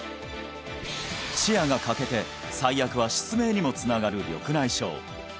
視野が欠けて最悪は失明にもつながる緑内障